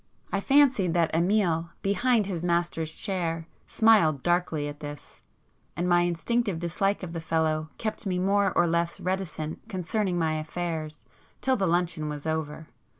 I fancied that Amiel, behind his master's chair, smiled darkly at this,—and my instinctive dislike of the fellow kept me more or less reticent concerning my affairs till the luncheon was over.